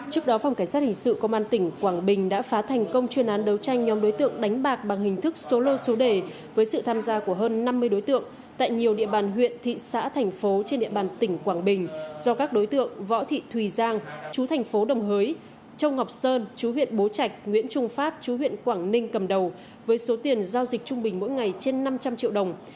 trước đó phòng cảnh sát hình sự công an tỉnh quảng bình đã phá thành công chuyên án đấu tranh nhóm đối tượng đánh bạc bằng hình thức số lô số đề với sự tham gia của hơn năm mươi đối tượng tại nhiều địa bàn huyện thị xã thành phố trên địa bàn tỉnh quảng bình do các đối tượng võ thị thùy giang chú thành phố đồng hới châu ngọc sơn chú huyện bố trạch nguyễn trung pháp chú huyện quảng ninh cầm đầu với số tiền giao dịch trung bình mỗi ngày trên năm trăm linh triệu đồng